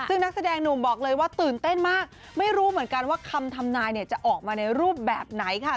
ซึ่งนักแสดงหนุ่มบอกเลยว่าตื่นเต้นมากไม่รู้เหมือนกันว่าคำทำนายเนี่ยจะออกมาในรูปแบบไหนค่ะ